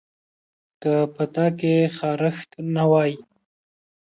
که په تا کې خارښت نه وای